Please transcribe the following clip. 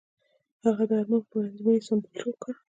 هغه د آرمان په بڼه د مینې سمبول جوړ کړ.